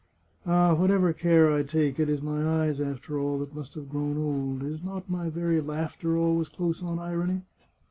Ah, whatever care I take, it is my eyes, after all, that must have grown old. Is not my very laughter always close on irony?